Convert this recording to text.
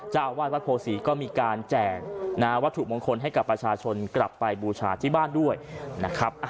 เจ้าอาวาสวัดโพศีก็มีการแจกวัตถุมงคลให้กับประชาชนกลับไปบูชาที่บ้านด้วยนะครับ